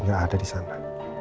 gak ada disana